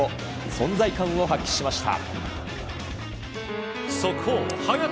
存在感を発揮しました。